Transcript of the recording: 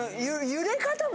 揺れ方も。